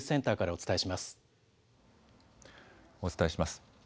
お伝えします。